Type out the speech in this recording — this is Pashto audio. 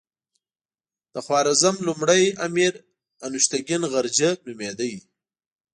د خوارزم لومړی امیر انوشتګین غرجه نومېده.